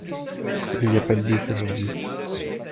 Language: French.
Il n’y a pas de bus aujourd’hui.